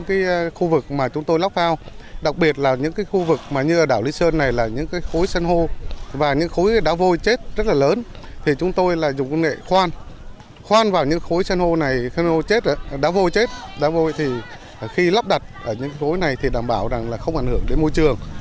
khi lắp đặt ở những cối này thì đảm bảo là không ảnh hưởng đến môi trường